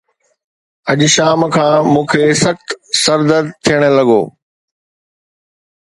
اڄ شام کان مون کي سخت سر درد ٿيڻ لڳو.